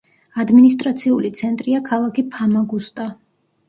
ადმინისტრაციული ცენტრია ქალაქი ფამაგუსტა.